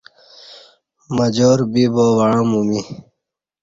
مجار بِبا وعں مو می